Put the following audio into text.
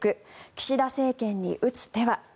岸田政権に打つ手は？